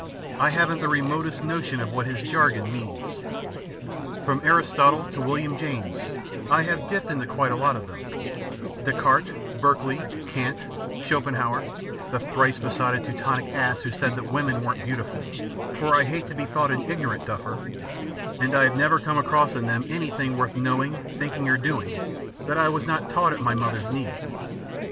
I haven't the remotest notion what his jargon means. From Aristotle to William James, I have dipped into quite a lot of them Descartes, Berkeley, Kant, Schopenhauer (the thrice besotted Teutonic ass who said that women weren't beautiful), for I hate to be thought an ignorant duffer and I have never come across in them anything worth knowing, thinking, or doing that I was not taught at my mother's knee.